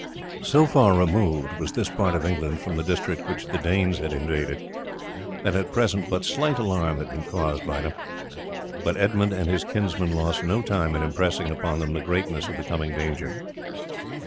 So far removed was this part of England from the district which the Danes had invaded, that at present but slight alarm had been caused by them; but Edmund and his kinsman lost no time in impressing upon them the greatness of the coming danger.